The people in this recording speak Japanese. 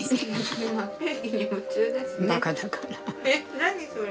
何それ？